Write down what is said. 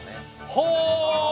はあ！